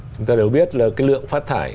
chúng ta đều biết là cái lượng phát thải